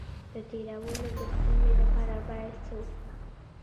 د تیرولو د ستونزې لپاره باید څه وکړم؟